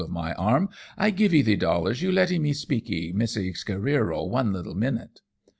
203 of my arm ;" I givee the dollars you letee me speakee Messee Careero one littee minute."